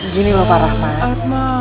begini pak rahmat